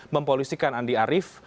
mempolisikan andi arief